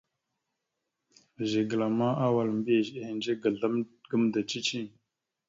Zigəla ma awal mbiyez ehədze ga azlam gamənda cici.